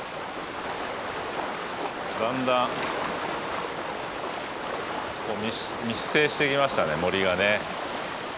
だんだん密生してきましたね森がね。